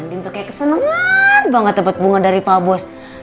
jantin tuh kayak kesenengaaan banget dapet bunga dari pa bos